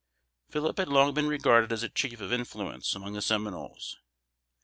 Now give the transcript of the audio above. Phillip had long been regarded as a chief of influence among the Seminoles.